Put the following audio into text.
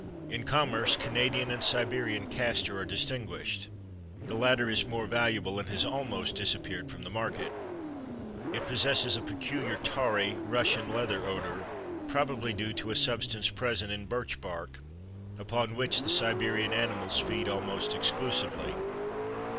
In commerce Canadian and Siberian castor are distinguished; the latter is more valuable and has almost disappeared from the market. It possesses a peculiar tarry, Russian leather odor, probably due to a substance present in birch bark, upon which the Siberian animals feed almost exclusively.